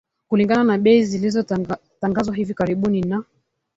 Kulingana na bei zilizotangazwa hivi karibuni na